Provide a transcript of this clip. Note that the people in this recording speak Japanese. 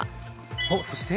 おっそして。